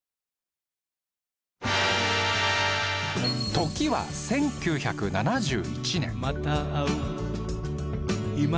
時は１９７１年。